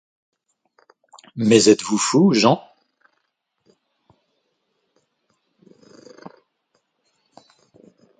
Mais êtes-vous fou, Jehan?